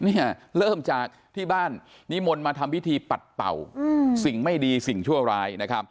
เริ่มจากที่บ้านนิมนต์มาทำพิธีปัดเป่าสิ่งไม่ดีสิ่งชั่วร้ายนะครับ